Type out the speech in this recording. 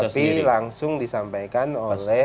tapi langsung disampaikan oleh